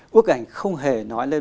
bức ảnh không hề nói lên